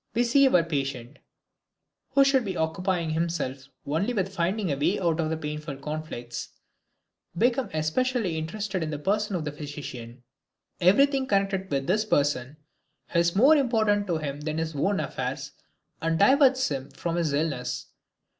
We see our patient, who should be occupying himself only with finding a way out of his painful conflicts, become especially interested in the person of the physician. Everything connected with this person is more important to him than his own affairs and diverts him from his illness.